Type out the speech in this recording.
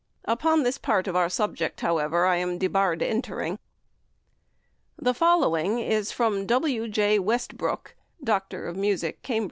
Upon this part of our subject, however, I am debarred entering. The following is from W. J. Westbrook, Mus. Doe., Cantab.